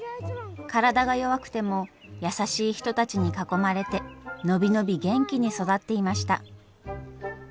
体が弱くても優しい人たちに囲まれて伸び伸び元気に育っていました。